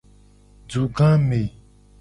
Dugame.